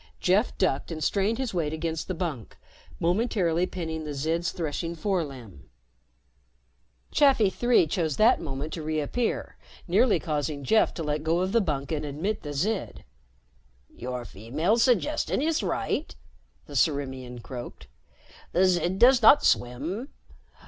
Jeff ducked and strained his weight against the bunk, momentarily pinning the Zid's threshing forelimb. Chafi Three chose that moment to reappear, nearly causing Jeff to let go the bunk and admit the Zid. "Your female's suggestion is right," the Ciriimian croaked. "The Zid does not swim.